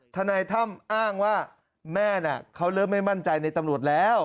ทนายถ้ำอ้างว่าแม่เขาเริ่มไม่มั่นใจในตำรวจแล้ว